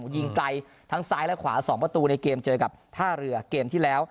ยิงไกลทั้งซ้ายและขวา๒ประตูในเกมเจอกับท่าเรือเกมที่แล้ว